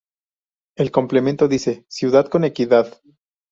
El complemento dice: ""Ciudad con Equidad"".